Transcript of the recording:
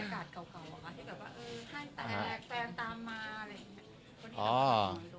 แล้วมีอากาศเก่าเหรอที่แฟนตามมา